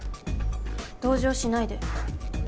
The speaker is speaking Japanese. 同情しないで。